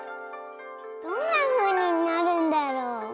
どんなふうになるんだろう？